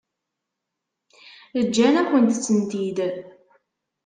Ǧǧan-akent-tent-id?